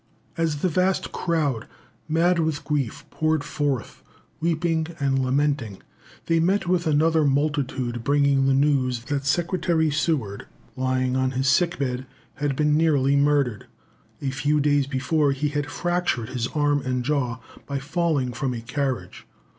As the vast crowd, mad with grief, poured forth, weeping and lamenting, they met with another multitude bringing the news that Secretary Seward, lying on his sick bed, had been nearly murdered. A few days before, he had fractured his arm and jaw by falling from a carriage.